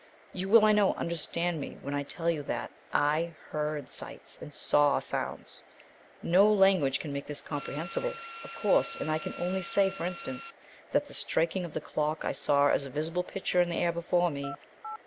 You will, I know, understand me when I tell you that I heard sights and saw sounds. No language can make this comprehensible, of course, and I can only say, for instance, that the striking of the clock I saw as a visible picture in the air before me.